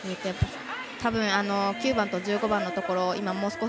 たぶん９番と１５番のところ